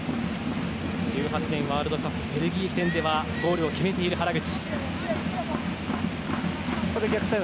１８年、ワールドカップベルギー戦ではゴールを決めている原口。